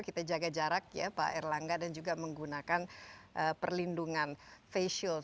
kita jaga jarak ya pak erlangga dan juga menggunakan perlindungan facial